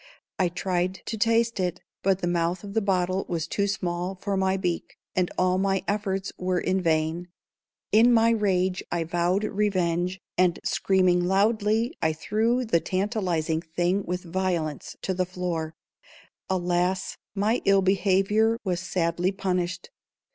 I tried to taste it, but the mouth of the bottle was too small for my beak, and all my efforts were in vain. In my rage I vowed revenge, and, screaming loudly, I threw the tantalizing thing with violence to the floor. [Illustration: "I WAS BOTH HORRIBLE AND RIDICULOUS."] Alas! my ill behavior was sadly punished.